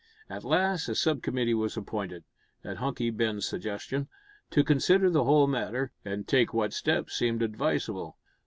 At last a sub committee was appointed, at Hunky Ben's suggestion, to consider the whole matter, and take what steps seemed advisable.